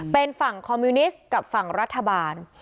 เป็นฝั่งคอมมิวนิสต์กับฝั่งรัฐบาล